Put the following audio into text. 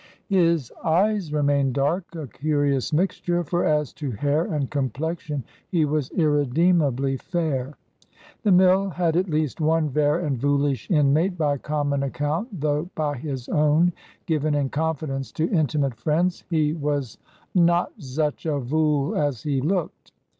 His eyes remained dark,—a curious mixture; for as to hair and complexion he was irredeemably fair. The mill had at least one "vair and voolish" inmate, by common account, though by his own (given in confidence to intimate friends) he was "not zuch a vool as he looked."